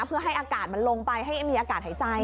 เพื่อให้อากาศมันลงไปให้มีอากาศหายใจ